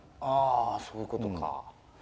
あそういうことか。